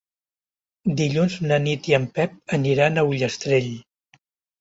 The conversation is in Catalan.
Dilluns na Nit i en Pep aniran a Ullastrell.